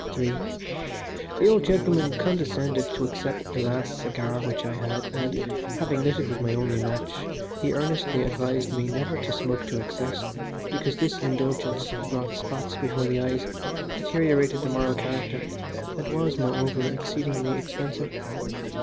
III The old gentleman condescended to accept the last cigar which I had, and, having lit it with my only match, he earnestly advised me never to smoke to excess, because this indulgence brought spots before the eyes, deteriorated the moral character, and was, moreover, exceedingly expensive.